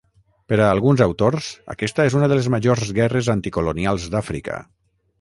Per a alguns autors, aquesta és una de les majors guerres anticolonials d'Àfrica.